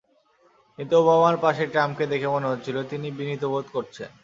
কিন্তু ওবামার পাশে ট্রাম্পকে দেখে মনে হচ্ছিল তিনি বিনীত বোধ করছেন।